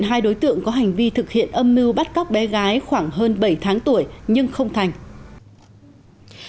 hai đối tượng có hành vi thực hiện âm mưu bắt cóc bé gái khoảng hơn bảy tháng tuổi nhưng không thành